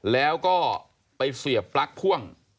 แล้วก็ไปเสียบปลั๊กพ่วง